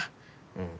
うん。